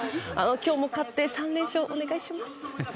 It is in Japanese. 今日も勝って、３連勝お願いします。